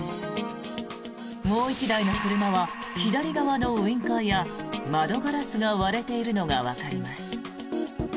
もう１台の車は左側のウィンカーや窓ガラスが割れているのがわかります。